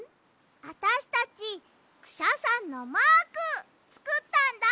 あたしたちクシャさんのマークつくったんだ。